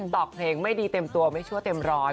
อกเพลงไม่ดีเต็มตัวไม่ชั่วเต็มร้อย